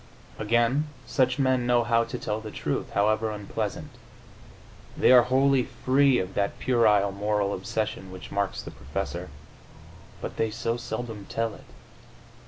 Again, such men know how to tell the truth, however unpleasant; they are wholly free of that puerile moral obsession which marks the professor.... But they so seldom tell it!